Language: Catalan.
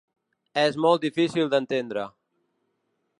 És molt difícil d’entendre.